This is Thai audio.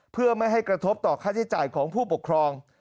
เพื่อไม่ให้กระทบต่อค่าใช้จ่ายของผู้ปกครอง